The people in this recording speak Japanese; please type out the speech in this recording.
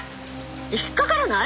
引っかからない？